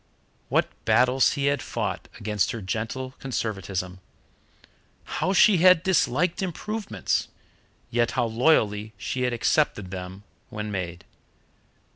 What battles he had fought against her gentle conservatism! How she had disliked improvements, yet how loyally she had accepted them when made!